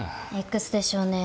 Ｘでしょうね。